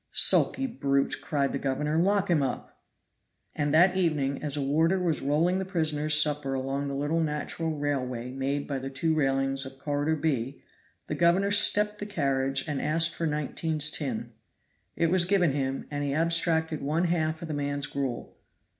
"Sulky brute!" cried the governor, "lock him up" (oath). And that evening, as a warder was rolling the prisoners' supper along the little natural railway made by the two railings of Corridor B, the governor stepped the carriage and asked for 19's tin. It was given him, and he abstracted one half of the man's gruel.